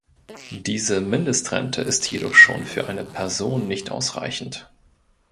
Diese Mindestrente ist jedoch schon für eine Person nicht ausreichend!